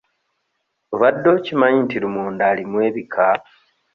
Obadde okimanyi nti lumonde alimu ebika?